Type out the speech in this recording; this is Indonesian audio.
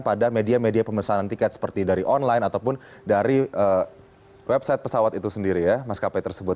pada media media pemesanan tiket seperti dari online ataupun dari website pesawat itu sendiri ya maskapai tersebut